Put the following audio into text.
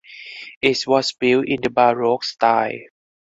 It was built in the Baroque style.